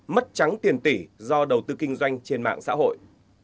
mất trắng tiền tỷ do đầu tư kinh doanh trên mạng xã hội